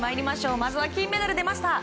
まずは金メダル出ました！